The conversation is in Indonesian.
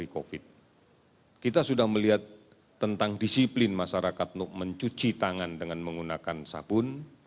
kita sudah melihat tentang disiplin masyarakat untuk mencuci tangan dengan menggunakan sabun